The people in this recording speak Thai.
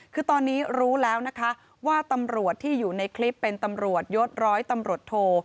คือตอนนี้รู้แล้วนะคะว่าตำรวจที่อยู่ในคลิปเป็นตำรวจยศร้อยตำรวจโท